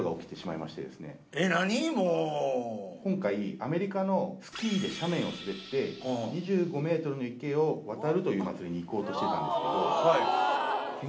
今回アメリカのスキーで斜面を滑って２５ｍの池を渡るという祭りに行こうとしてたんですけど。